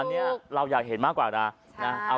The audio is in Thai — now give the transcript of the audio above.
อันนี้เราอยากเห็นมากกว่านะ